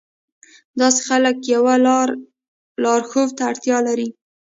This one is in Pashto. داسې خلک يوه لارښود ته اړتيا لري.